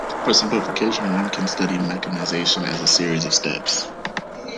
For simplification, one can study mechanization as a series of steps.